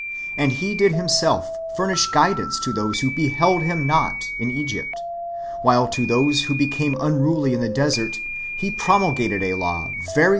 And He did Himself furnish guidance to those who beheld Him not in Egypt, while to those who became unruly in the desert He promulgated a law very ^ John XV.